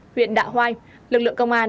huyện đạ hoai lực lượng công an